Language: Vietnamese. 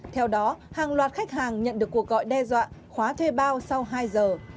theo đó hàng loạt khách hàng nhận được cuộc gọi đe dọa khóa thuê bao sau hai giờ